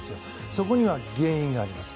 そこには原因があります。